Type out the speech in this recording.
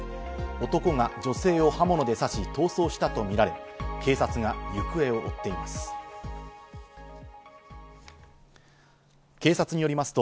男が女性を刃物で刺し逃走したとみられ、警察が行方を追っています。